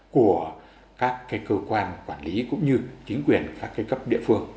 của các cơ quan quản lý cũng như chính quyền các cấp địa phương